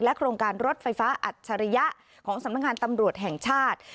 โครงการรถไฟฟ้าอัจฉริยะของสำนักงานตำรวจแห่งชาติ